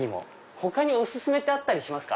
他にお薦めってあったりしますか？